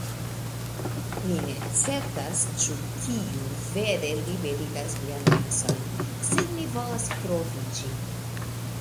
Mi ne certas ĉu tiu vere liberigas vian menson, sed mi volas provi ĝin